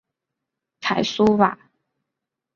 凯苏瓦。